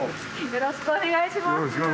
よろしくお願いします。